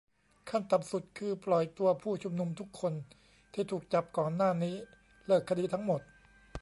ขั้นต่ำสุดคือปล่อยตัวผู้ชุมนุมทุกคนที่ถูกจับก่อนหน้านี้ เลิกคดีทั้งหมด